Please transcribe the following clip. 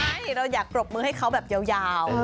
ใช่เราอยากปรบมือให้เขาแบบยาว